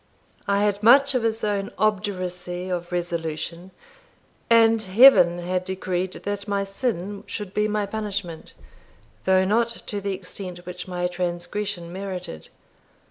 I had much of his own obduracy of resolution, and Heaven had decreed that my sin should be my punishment, though not to the extent which my transgression merited.